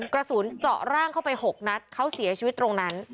กระสุนเจาะร่างเข้าไป๖นัดเขาเสียชีวิตตรงนั้น